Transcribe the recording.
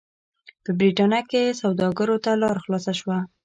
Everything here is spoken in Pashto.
په برېټانیا کې سوداګرو ته لار خلاصه شوه.